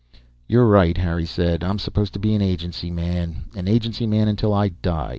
"You're right," Harry said. "I'm supposed to be an agency man. An agency man until I die.